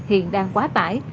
hiện đang quá tải